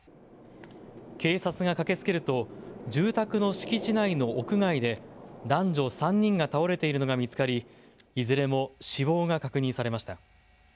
警察が駆けつけると住宅の敷地内の屋外で男女３人が倒れているのが見つかり、いずれも死亡が確認されました。